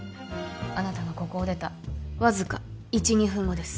あなたがここを出たわずか１２分後です